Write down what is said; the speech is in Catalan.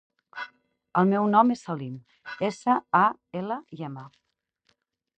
El meu nom és Salim: essa, a, ela, i, ema.